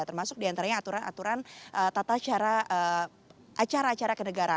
termasuk diantaranya aturan aturan tata acara acara ke negara